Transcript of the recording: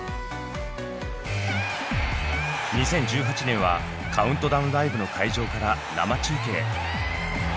２０１８年はカウントダウンライブの会場から生中継。